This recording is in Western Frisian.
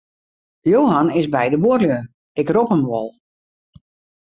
Johan is by de buorlju, ik rop him wol.